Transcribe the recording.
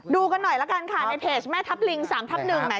ดูกันหน่อยละกันค่ะในเพจแม่ทับลิง๓ทับ๑แหม